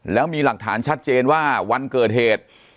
แล้วมีหลักฐานชัดเจนว่าวันเกิดเหตุ